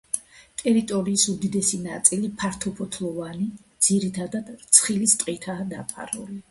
ტერიტორიის უდიდესი ნაწილი ფართოფოთლოვანი, ძირითადად რცხილის ტყითაა დაფარული.